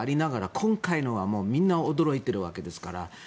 今回のは、もうみんな驚いているわけですから。